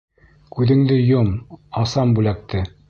Күҙеңде йом, асам бүләкте.